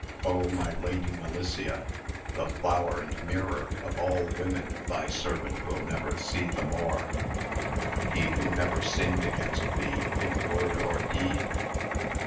my Lady Melicia, the AMAM8 OF GAUL 307 flower and mirror of all women thy servant will never seee the more, he who never sinned against thee in word nor deed